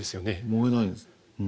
燃えないです。